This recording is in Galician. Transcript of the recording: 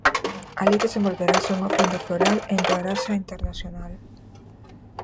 Alí desenvolverase unha ofrenda floral e entoarase a Internacional.